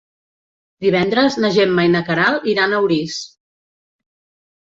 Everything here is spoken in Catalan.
Divendres na Gemma i na Queralt iran a Orís.